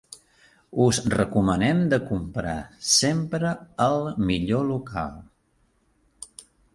Us recomanem de comprar sempre el millor local.